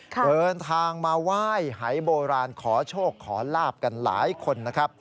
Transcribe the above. เดินทางมาไหว้หายโบราณขอโชคขอลาบกันหลายคนนะครับ